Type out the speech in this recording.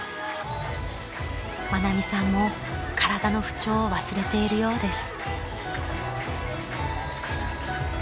［愛美さんも体の不調を忘れているようです］